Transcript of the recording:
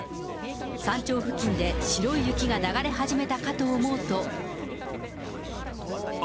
山頂付近で白い雪が流れ始めたかと思うと。